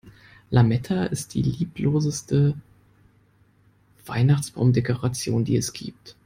Lametta ist die liebloseste Weihnachtsbaumdekoration, die es gibt.